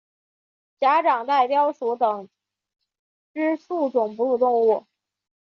假掌袋貂属等之数种哺乳动物。